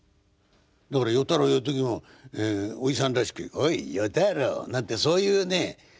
だから与太郎やる時もおじさんらしく「おい与太郎」なんてそういうね